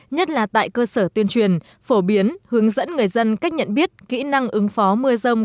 nhất là tại cơ sở tuyên truyền phổ biến hướng dẫn người dân cách nhận biết kỹ năng ứng phó mưa rông